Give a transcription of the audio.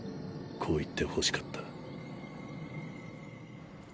「こう言ってほしかった」。